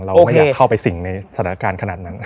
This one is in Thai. เราไม่อยากเข้าไปสิ่งในสถานการณ์ขนาดนั้น